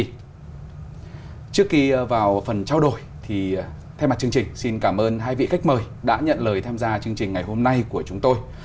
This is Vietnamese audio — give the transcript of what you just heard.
trước khi vào phần trao đổi thì thay mặt chương trình xin cảm ơn hai vị khách mời đã nhận lời tham gia chương trình ngày hôm nay của chúng tôi